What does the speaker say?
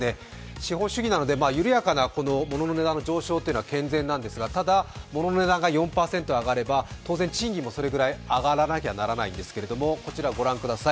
資本主義なので緩やか物の値段の上昇というのは健全なんですが、ただ物の値段が４％上がれば当然、賃金もそれぐらい上がらなければならないんですけれども、こちらご覧ください。